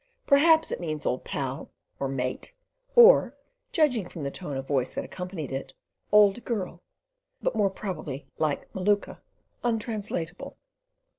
Perhaps it meant "old pal" or "mate," or, judging from the tone of voice that accompanied it, "old girl," but more probably, like "Maluka," untranslatable.